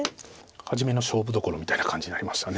初めの勝負どころみたいな感じになりました。